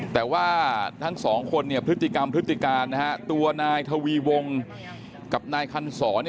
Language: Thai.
แต่ว่าทั้งสองคนเนี่ยพฤติกรรมพฤติการนะฮะตัวนายทวีวงกับนายคันศรเนี่ย